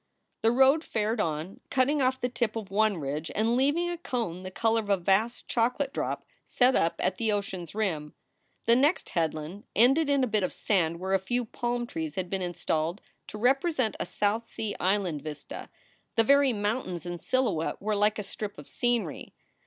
The road fared on, cutting off the tip of one ridge and leav ing a cone the color of a vast chocolate drop set up at the ocean s rim. The next headland ended in a bit of sand where a few palm trees had been installed to represent a South Sea island vista. The very mountains in silhouette were like a strip of scenery.